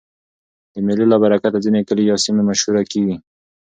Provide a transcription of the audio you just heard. د مېلو له برکته ځيني کلي یا سیمې مشهوره کېږي.